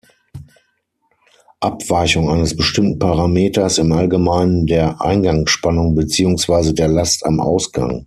Abweichung eines bestimmten Parameters, im Allgemeinen der Eingangsspannung beziehungsweise der Last am Ausgang.